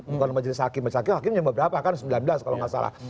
bukan majelis hakim majelis hakimnya berapa kan sembilan belas kalau nggak salah